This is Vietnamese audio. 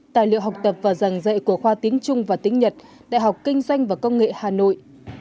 tài liệu học tập và giảng dạy của khoa tiếng trung và tiếng nhật đại học kinh doanh và công nghệ hà nội